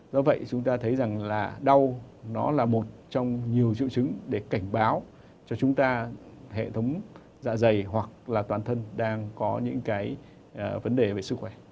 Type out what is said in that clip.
do vậy chúng ta thấy rằng là đau nó là một trong nhiều triệu chứng để cảnh báo cho chúng ta hệ thống dạ dày hoặc là toàn thân đang có những cái vấn đề về sức khỏe